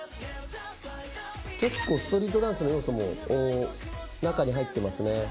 結構ストリートダンスの要素も中に入ってますね。